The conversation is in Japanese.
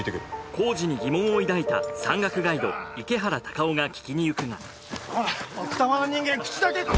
工事に疑問を抱いた山岳ガイド池原孝夫が聞きにいくが奥多摩の人間は口だけか！